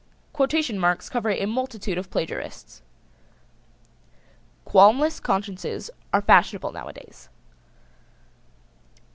Quotation marks cover a multitude of plagiarists. Qualmless consciences are fashionable nowadays.